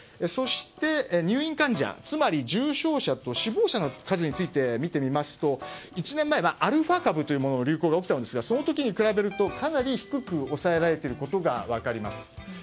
そして、入院患者つまり重症者と死亡者の数について見てみますと１年前はアルファ株というものの流行が起きたんですがその時に比べるとかなり低く抑えられていることが分かります。